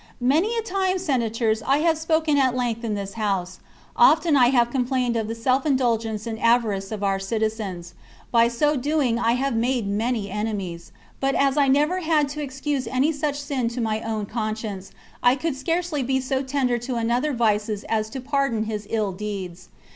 " Many a time, Senators, have I spoken at length in this house. Often have I complained of the self indulgence and avarice of our citizens. By so doing I have made many enemies ; but as I never had to ex cuse any such sin to my own conscience, I could scarcely be so tender to another's vices as to pardon his ill deeds.